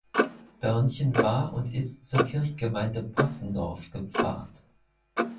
Börnchen war und ist zur Kirchgemeinde Possendorf gepfarrt.